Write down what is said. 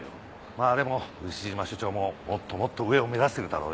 まあでも牛島署長ももっともっと上を目指してるだろうよ。